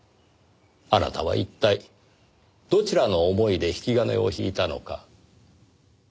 あなたは一体どちらの思いで引き金を引いたのか。